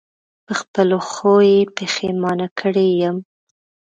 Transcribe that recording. په خپلو ښو یې پښېمانه کړی یم.